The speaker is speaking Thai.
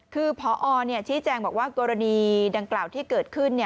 คือพอชี้แจงบอกว่ากรณีดังกล่าวที่เกิดขึ้น